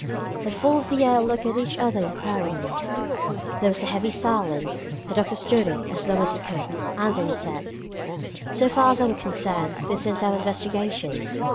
The four on the earth looked at each other inquiringly. There was a heavy silence. The doctor stood it as long as he could, and then said: "So far as I'm concerned, this ends our investigations."